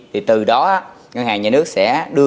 thì từ đó ngân hàng nhà nước sẽ đưa